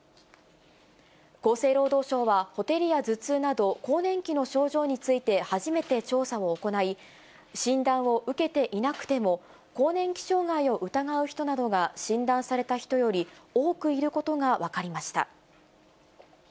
厚生労働省は、ほてりや頭痛など、更年期の症状について、初めて調査を行い、診断を受けていなくても更年期障害を疑う人などが診断された人より多くいることが分かりました。